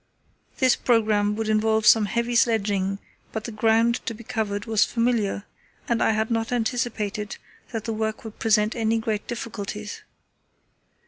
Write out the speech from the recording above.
This programme would involve some heavy sledging, but the ground to be covered was familiar, and I had not anticipated that the work would present any great difficulties.